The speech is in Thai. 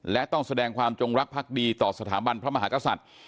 และต้องแสดงความจงรักภักดีต่อสถาบันพระมหากษัตริย์